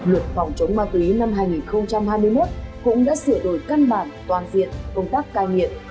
luật phòng chống ma túy năm hai nghìn hai mươi một cũng đã sửa đổi căn bản toàn diện công tác cai nghiện